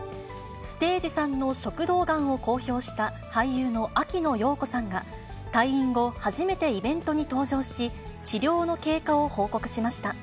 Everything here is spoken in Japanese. ステージ３の食道がんを公表した、俳優の秋野暢子さんが退院後、初めてイベントに登場し、治療の経過を報告しました。